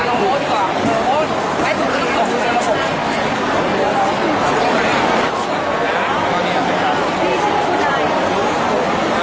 นั่งคุยเจ้าจี้กว่า